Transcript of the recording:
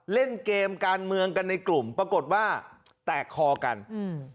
เล่นเกมการเมืองกันในกลุ่มปรากฏว่าแตกคอกันอืม